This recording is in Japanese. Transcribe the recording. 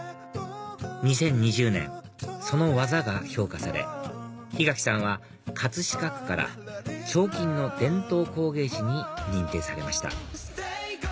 ２０２０年その技が評価され檜垣さんは飾区から彫金の伝統工芸士に認定されました